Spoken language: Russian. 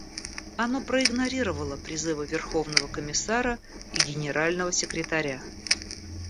Оно проигнорировало призывы Верховного комиссара и Генерального секретаря.